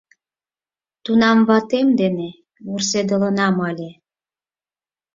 — Тунам ватем дене вурседылынам ыле.